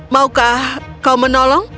maukah kau menolong